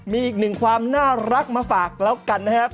มีอีกหนึ่งความน่ารักมาฝากแล้วกันนะครับ